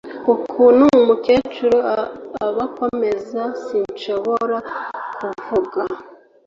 Ukuntu umukecuru abakomeza sinshobora kuvuga